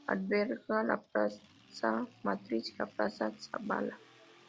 Alberga la Plaza Matriz y la Plaza Zabala.